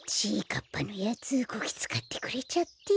かっぱのやつこきつかってくれちゃって。